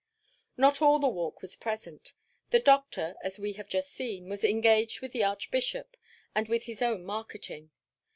Not all the Walk was present. The Doctor, as we have just seen, was engaged with the Archbishop, and with his own marketing.